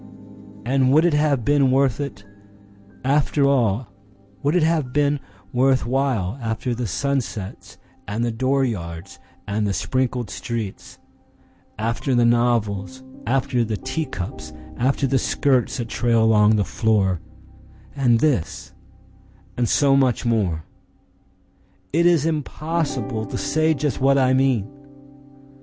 And would it have been worth it, after all, Would it have been worth while, After the sunsets and the dooryards and the sprinkled streets, After the novels, after the teacups, after the skirts that trail along the floor—And this, and so much more?—It is impossible to say just what I mean!